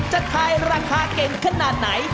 จะขายราคาเก่งขนาดไหน